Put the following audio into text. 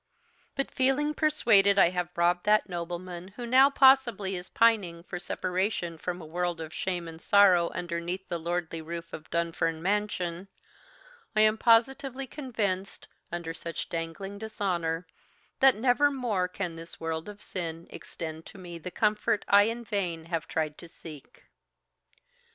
But feeling persuaded I have robbed that nobleman who now possibly is pining for separation from a world of shame and sorrow underneath the lordly roof of Dunfern Mansion, I am positively convinced, under such dangling dishonour, that never more can this world of sin extend to me the comfort I in vain have tried to seek.